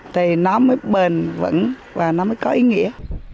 thì nó mới bền vững và nó mới có ý nghĩa